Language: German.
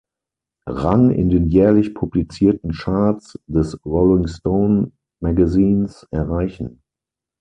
Rang in den jährlich publizierten Charts des Rolling Stone Magazines erreichen.